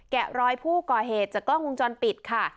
แกะรอยผู้ก่อเหตุจากกล้องวงจรปิดค่ะ